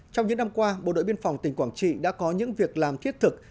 trong những năm qua bộ đội biên phòng tỉnh quảng trị đã có những việc làm thiết thực